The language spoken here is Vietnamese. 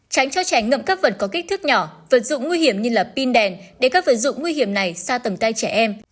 tránh cho trẻ ngậm các vật có kích thước nhỏ vật dụng nguy hiểm như là pin đèn để các vật dụng nguy hiểm này xa tầng tay trẻ em